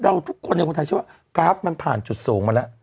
เราทุกคนเขาถ่ายสิว่ากาฟมันผ่านจุดสูงมาแล้ว